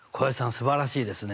すばらしいですね！